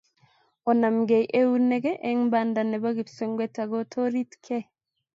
Onamkei eunek eng banda nebo kipswenget ako toritkei